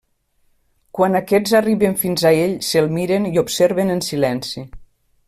Quan aquests arriben fins a ell se'l miren i observen en silenci.